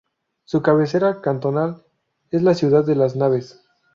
Su cabecera cantonal es la ciudad de Las Naves.